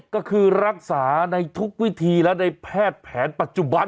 ก็คือรักษาในทุกวิธีและในแพทย์แผนปัจจุบัน